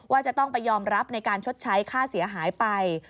จะต้องไปยอมรับในการชดใช้ค่าเสียหายไป